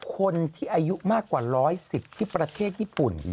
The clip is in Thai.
คนที่อายุมากกว่า๑๑๐ที่ประเทศญี่ปุ่น